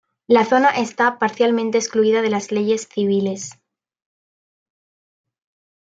La zona está parcialmente excluida de las leyes civiles.